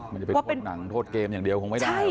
มันจะไปโทษหนังโทษเกมอย่างเดียวคงไม่ได้